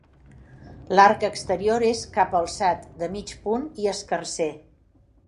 L'arc exterior és capalçat, de mig punt i escarser.